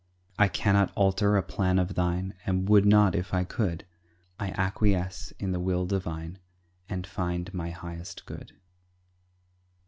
I cannot alter a plan of Thine, And would not if I could; I acquiesce in the will divine, And find my highest good.